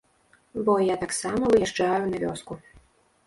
Бо я таксама выязджаю на вёску.